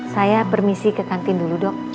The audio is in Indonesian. saya bermisi ke kantin dulu dok